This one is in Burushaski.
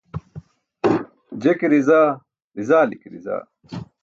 Je ke rizaa, rizali ke rizaa.